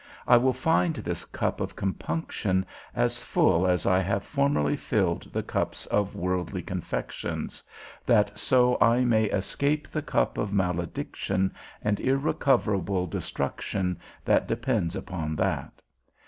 _ I will find this cup of compunction as full as I have formerly filled the cups of worldly confections, that so I may escape the cup of malediction and irrecoverable destruction that depends upon that.